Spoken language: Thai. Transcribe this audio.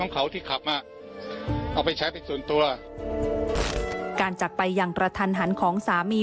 การจักไปอย่างประทานหันของสามี